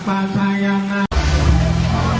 สุดท้ายสุดท้ายสุดท้าย